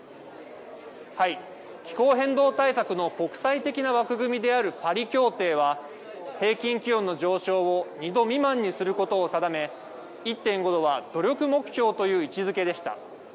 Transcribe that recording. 気候変動対策の国際的な枠組みであるパリ協定は、平均気温の上昇を２度未満にすることを定め、１．５度は努力目標という位置づけでした。